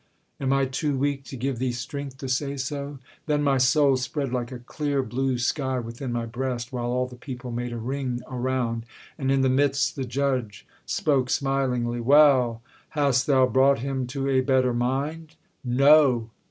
Am I too weak To give thee strength to say so?' Then my soul Spread like a clear blue sky within my breast, While all the people made a ring around, And in the midst the judge spoke smilingly 'Well! hast thou brought him to a better mind?' 'No!